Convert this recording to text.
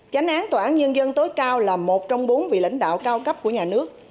tránh án tòa án nhân dân tối cao là một trong bốn vị lãnh đạo cao cấp của nhà nước